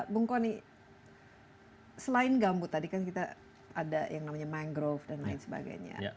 bung kony selain gambut tadi kan kita ada yang namanya mangrove dan lain sebagainya